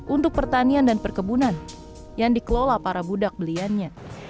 untuk pertanian dan perkebunan yang dikelola para budak beliannya